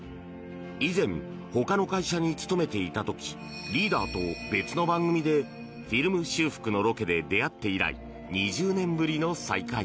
以前、他の会社に勤めていた時リーダーと別の番組でフィルム修復のロケで出会って以来２０年ぶりの再会。